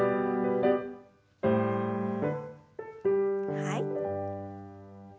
はい。